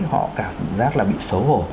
họ cảm giác là bị xấu hổ